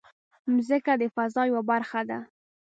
مځکه د فضا یوه برخه ده.